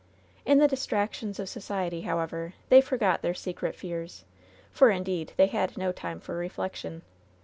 In the distractions of society, however, they forgot 36 LOVE'S BITTEREST CUP their secret fears, for indeed they had no time for reflection.